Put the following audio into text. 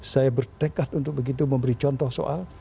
saya bertekad untuk begitu memberi contoh soal